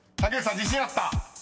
自信あった？］